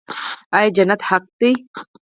آیا جنت حق دی؟